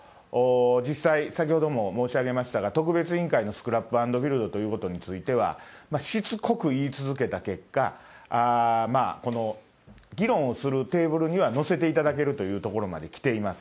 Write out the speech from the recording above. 実際、先ほども申し上げましたが、特別委員会のスクラップ＆ビルドということについては、しつこく言い続けた結果、この議論をするテーブルには載せていただけるというところまできています。